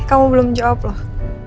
kamu belum jawab loh